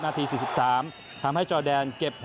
นาที๔๓ทำให้จอแดนเก็บ๖